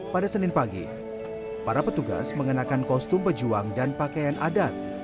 pada senin pagi para petugas mengenakan kostum pejuang dan pakaian adat